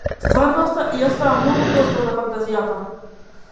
Стварноста ѝ остава многу простор на фантазијата.